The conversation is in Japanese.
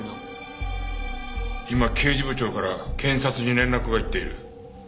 今刑事部長から検察に連絡がいっている。